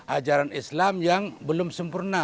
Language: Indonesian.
ajaran islam yang belum sempurna